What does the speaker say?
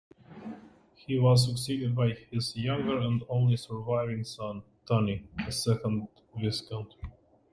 He was succeeded by his younger and only surviving son, Tony, as second viscount.